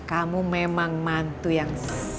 kamu memang mantu yang